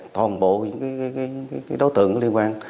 toàn bộ đối tượng liên quan